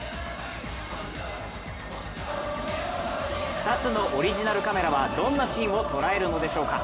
２つのオリジナルカメラはどんなシーンを捉えるのでしょうか。